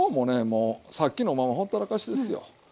もうさっきのままほったらかしですよ。